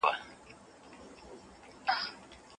ایا په کلي کي د هوا پاکوالی د سږو لپاره ښه دی؟